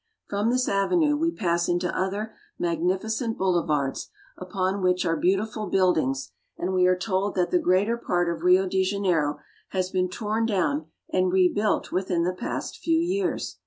From this avenue we pass into other magnificent boule RIO DE JANEIRO. 275 vards, upon which are beautiful buildings, and we are told that the greater part of Rio de Janeiro has been torn down and rebuilt within the past few years.